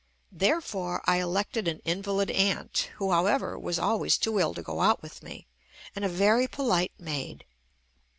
Therefore, I elected an invalid aunt (who, however, was always too ill to go out with me) and a very polite maid.